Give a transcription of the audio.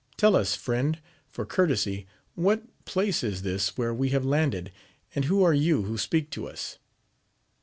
Tell us, friend, for courtesy, what place is this where we4iave landed, and who are you who speak to us